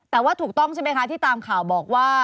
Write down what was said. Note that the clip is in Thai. แต่ว่าถูกต้องใช่ไหมคะที่ตามข่าวบอกว่า